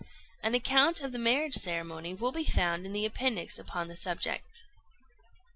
An account of the marriage ceremony will be found in the Appendix upon the subject.